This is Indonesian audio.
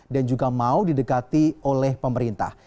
dan juga mau di dekati oleh pemerintah